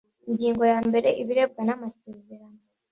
ingingo ya mbere ibirebwa n amasezerano